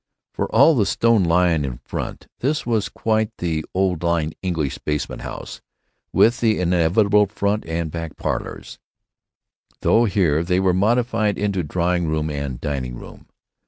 For all the stone lion in front, this was quite the old line English basement house, with the inevitable front and back parlors—though here they were modified into drawing room and dining room.